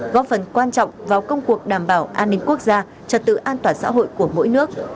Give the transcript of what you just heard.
góp phần quan trọng vào công cuộc đảm bảo an ninh quốc gia trật tự an toàn xã hội của mỗi nước